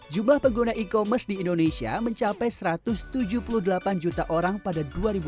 jumlah pengguna e commerce di indonesia mencapai satu ratus tujuh puluh delapan juta orang pada dua ribu dua puluh